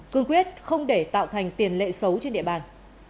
cương quyết không để tạo thành tiền lệ xấu trên địa bàn